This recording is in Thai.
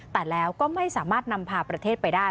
แต่แล้วก็ไม่สามารถนำพาประเทศไปได้